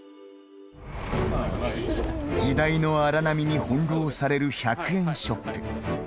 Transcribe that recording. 時代の荒波に翻弄される１００円ショップ。